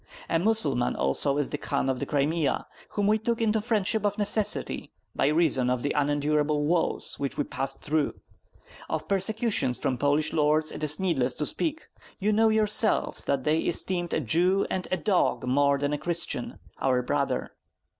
A Mussulman also is the Khan of the Crimea, whom we took into friendship of necessity, by reason of the unendurable woes which we passed through. Of persecutions from Polish lords it is needless to speak; you know yourselves that they esteemed a Jew and a dog more than a Christian, our brother.